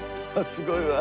すごいわ。